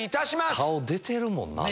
顔出てるもんなぁ。